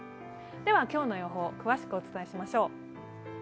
今日の予報、詳しくお伝えしましょう。